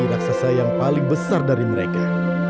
raksasa yang paling besar dari mereka